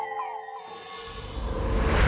สามารถรับชมได้ทุกวัย